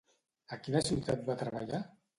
A quina ciutat va treballar?